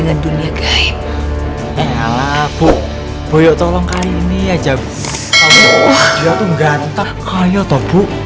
ganteng kaya toh bu